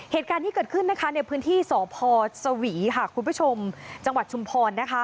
เหตุการณ์ที่เกิดขึ้นในพื้นที่สพสวีคุณผู้ชมจังหวัดชุมพร